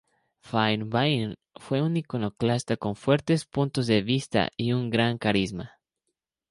Fairbairn fue un iconoclasta con fuertes puntos de vista y un gran carisma.